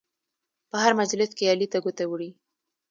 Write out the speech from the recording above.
په هر مجلس کې علي ته ګوته وړي.